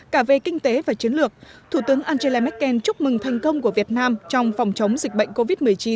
cả về kinh tế và chiến lược thủ tướng angela merkel chúc mừng thành công của việt nam trong phòng chống dịch bệnh covid một mươi chín